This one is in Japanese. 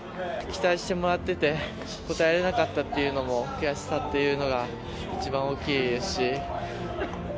期待してもらってて、応えれなかったっていうのも、悔しさっていうのが、一番大きいですし。